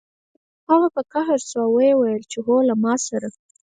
هغه په قهر شو او ویې ویل هو له ما سره